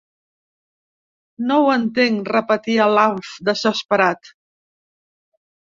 No ho entenc —repetia l'Alf, desesperat—.